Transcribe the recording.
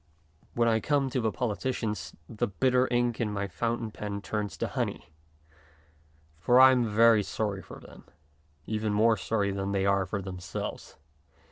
When I come to the politicians the bitter ink in my fountain pen turns to honey, for I am very sorry for them, even more sorry than they are for themselves.